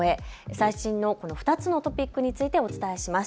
最新のこの２つのトピックについてお伝えします。